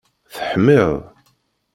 Teḥmiḍ!